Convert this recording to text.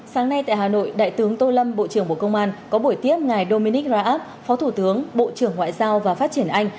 sáng nay tại hà nội đại tướng tô lâm bộ trưởng bộ công an có buổi tiếp ngài dominic raab phó thủ tướng bộ trưởng ngoại giao và phát triển anh